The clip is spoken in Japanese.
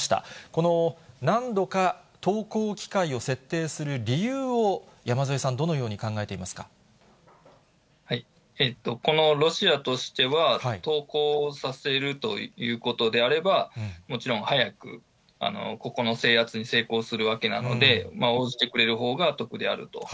この何度か投降機会を設定する理由を、山添さん、このロシアとしては、投降させるということであれば、もちろん早く、ここの制圧に成功するわけなので、応じてくれるほうが得であると。